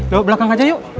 lo belakang aja yuk